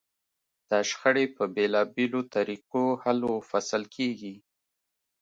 دا شخړې په بېلابېلو طریقو حل و فصل کېږي.